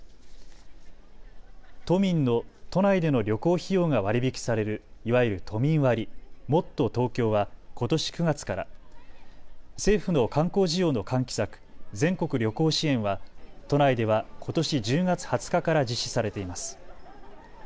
都民の都内での旅行費用が割り引きされるいわゆる都民割、もっとＴｏｋｙｏはことし９月から、政府の観光需要の喚起策、全国旅行支援は都内ではことし１０月初日から実施されています。